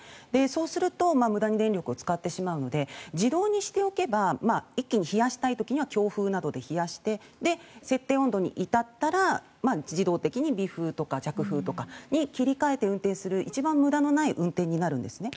そうすると無駄に電力を使うので自動にしておけば一気に冷やしたい時には強風などで冷やして設定温度に至ったら自動的に微風とか弱風とかに切り替えて運転する一番無駄のない運転になるんですね。